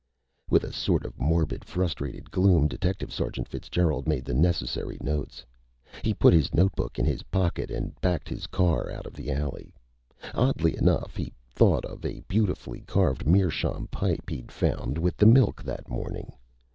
With a sort of morbid, frustrated gloom, Detective Sergeant Fitzgerald made the necessary notes. He put his notebook in his pocket and backed his car out of the alley. Oddly enough, he thought of a beautifully carved meerschaum pipe he'd found with the milk that morning.